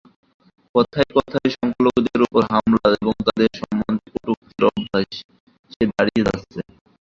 কথায় কথায় সংখ্যালঘুদের ওপর হামলা এবং তাঁদের সম্বন্ধে কটূক্তি অভ্যাসে দাঁড়িয়ে যাচ্ছে।